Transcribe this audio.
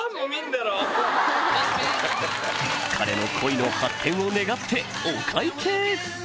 彼の恋の発展を願ってお会計！